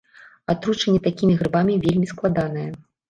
Атручэнне такімі грыбамі вельмі складанае.